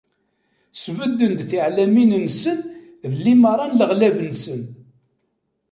Sbedden tiɛellamin-nsen, d limaṛa n leɣlab-nsen.